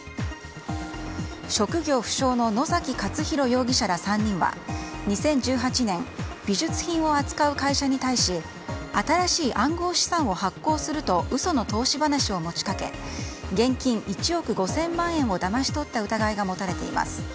職業不詳の野崎勝弘容疑者ら３人は２０１８年美術品を扱う会社に対し新しい暗号資産を発行すると嘘の投資話を持ちかけ現金１億５０００万円をだまし取った疑いが持たれています。